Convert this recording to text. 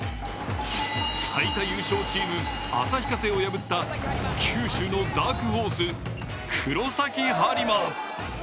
最多優勝チーム、旭化成を破った九州のダークホース黒崎播磨。